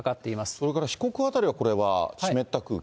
それから四国辺りはこれは、湿った空気？